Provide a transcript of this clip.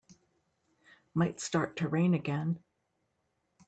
Might start to rain again.